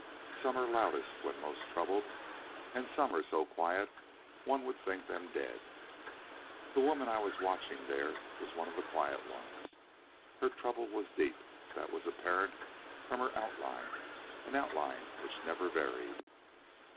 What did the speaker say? Some are loudest when most troubled, and some are so quiet one would think them dead. The woman I was watching there was one of the quiet ones; her trouble was deep; that was apparent from her outline an outline which never varied."